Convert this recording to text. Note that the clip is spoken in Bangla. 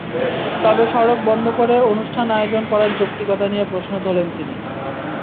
তবে সড়ক বন্ধ করে অনুষ্ঠান আয়োজন করার যৌক্তিকতা নিয়ে প্রশ্ন তোলেন তিনি।